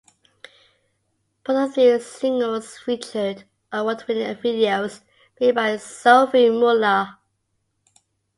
Both of these singles featured award-winning videos made by Sophie Muller.